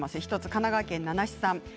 神奈川県の方です。